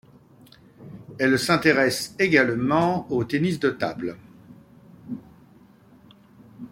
Elle s'intéresse également au tenis de table.